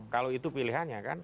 kalau itu pilihannya kan